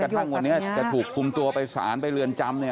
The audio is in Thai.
อ้าวแม้กระทั่งวันนี้จะถูกคุมตัวไปสารไปเรือนจำนี่